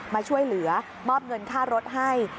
มาช่วยเหลือมอบเงินค่ารถให้